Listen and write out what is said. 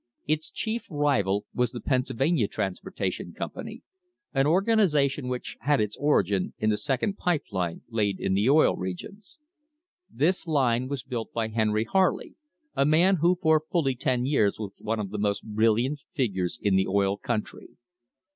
Its chief rival was the Pennsylvania Transportation Com pany, an organisation which had its origin in the second pipe line laid in the Oil Regions. This line was built by Henry Harley, a man who for fully ten years was one of the most brilliant figures in the oil country.